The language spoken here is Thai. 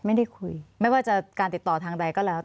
ไม่ได้คุยไม่ว่าจะการติดต่อทางใดก็แล้ว